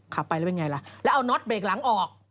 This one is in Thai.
ขับไปแล้วเป็นไงล่ะแล้วเอาน็อตเบรกหลังออก